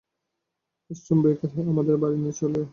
Storm breaker, আমাদের বাড়ি নিয়ে চলো।